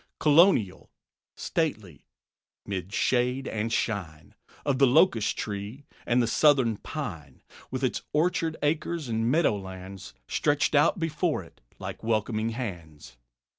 Colonial, stately; 'mid shade and shine Of the locust tree and the Southern pine; With its orchard acres and meadowlands Stretched out before it like welcoming hands.